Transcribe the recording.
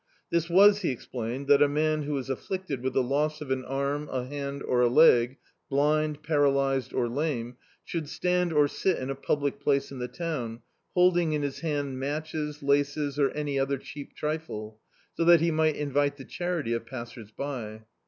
This was, he ex plained, that a man, who is afflicted with the toss of an arm, a hand or a leg, blind, paralysed or lame, should stand or sit in a public place in the town, holding in his hand matches, laces or any other cheap trifle, so that he mig^t invite the charity of passers by.